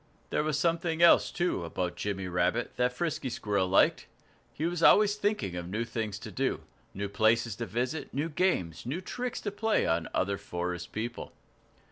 There was something else, too, about Jimmy Rabbit, that Frisky Squirrel liked; he was always thinking of new things to do new places to visit, new games, new tricks to play on other forest people.